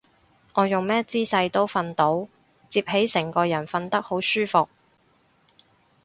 我用咩姿勢都瞓到，摺起成個人瞓得好舒服